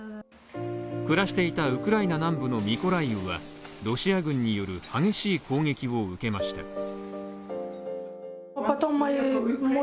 暮らしていたウクライナ南部のミコライウはロシア軍による激しい攻撃を受けました。